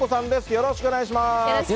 よろしくお願いします。